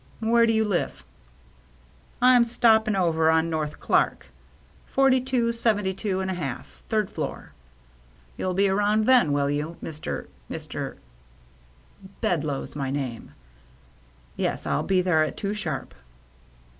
" Where do you live ?"" I'm stoppin' over on North Clark. Forty two seventy two an' a half, third floor. You'll be around, then, will you, Mr. — Mr. —"" Bedloe's my name. Yes, I'll be there at two sharp."